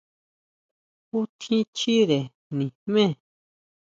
¿Jú tjín chire nijmé?